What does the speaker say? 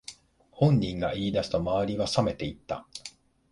本人が言い出すと周りはさめていった